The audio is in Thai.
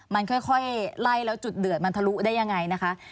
มันค่อยไล่แล้วจุดเดือดมันทะลุได้ยังไงนะคะ